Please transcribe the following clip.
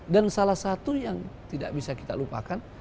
dan salah satu yang tidak bisa kita lupakan